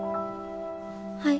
はい。